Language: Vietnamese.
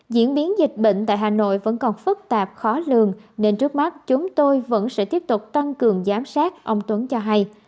diễn biến dịch bệnh tại hà nội vẫn còn phức tạp khó lường nên trước mắt chúng tôi vẫn sẽ tiếp tục tăng cường giám sát ông tuấn cho hay